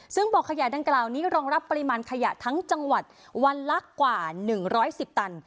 ซึ่งบ่อขยะดังกล่าวนี้รองรับปริมาณขยะทั้งจังหวัดวันละกว่า๑๑๐ตัน